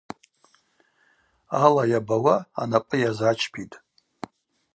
Ала йабауа анапӏы йазачпитӏ.